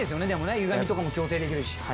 ゆがみとかも矯正できるし。